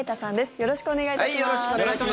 よろしくお願いします。